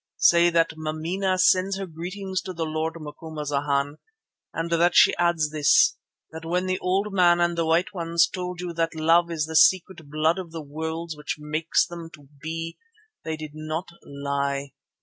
Say that Mameena sends her greetings to the Lord Macumazana and that she adds this, that when the Old Man and the White ones told you that Love is the secret blood of the worlds which makes them to be they did not lie.